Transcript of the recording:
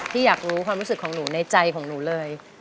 อยากรู้ความรู้สึกของหนูในใจของหนูเลย